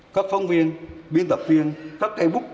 các phong viên biên tập viên các cây bút